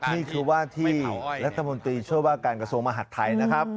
นี่คือว่าที่รัฐมนตรีช่วยว่าการกระทรวงมหัฐไทยนะครับ